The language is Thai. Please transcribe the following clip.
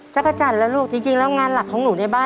จักรจันทร์แล้วลูกจริงแล้วงานหลักของหนูในบ้าน